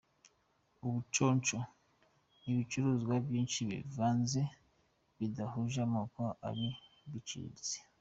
Ubuconsho” : Ibicuruzwa byinshi bivanze bidahuje amoko ariko biciriritse.